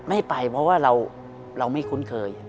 ไม่ไปเพราะว่าเราไม่คุ้นเคย